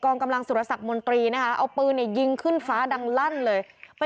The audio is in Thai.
นำนำนำนำนำนำนำ